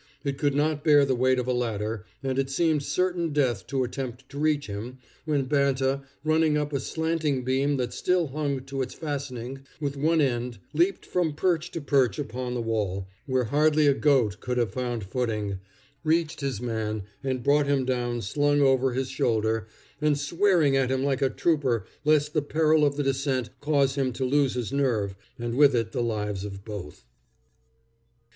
It could not bear the weight of a ladder, and it seemed certain death to attempt to reach him, when Banta, running up a slanting beam that still hung to its fastening with one end, leaped from perch to perch upon the wall, where hardly a goat could have found footing, reached his man, and brought him down slung over his shoulder, and swearing at him like a trooper lest the peril of the descent cause him to lose his nerve and with it the lives of both.